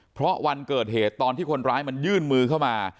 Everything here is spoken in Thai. เพราะวันเกิดเหตุตอนที่คนร้ายมันยื่นมือเข้ามา